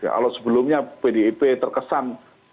kalau sebelumnya pdep terkesan